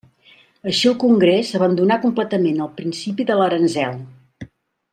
Així el Congrés abandonà completament el principi de l'aranzel.